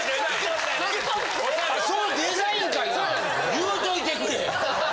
言うといてくれ。